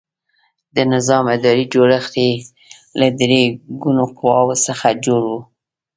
د نظام اداري جوړښت یې له درې ګونو قواوو څخه جوړ و.